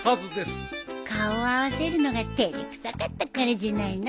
顔を合わせるのが照れくさかったからじゃないの。